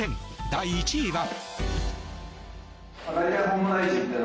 第１位は。